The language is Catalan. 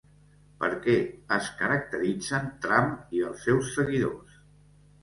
Per què es caracteritzen Trump i els seus seguidors?